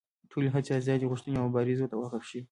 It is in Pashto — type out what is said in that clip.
ټولې هڅې ازادي غوښتنې او مبارزو ته وقف شوې.